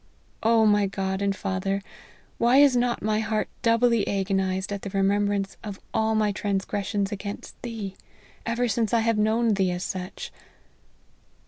Oh my God and Father, why is not my heart doubly agonized at the remembrance of all my transgressions against Thee, ever since I have known Thee as such